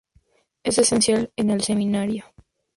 Es esencial en el seminario.